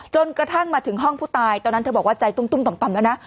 จนกระทั่งมาถึงห้องผู้ตายตอนนั้นเธอบอกว่าใจตุ้มต่อมแล้วนะ